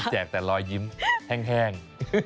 มีแจกแต่รอยยิ้มแห้ง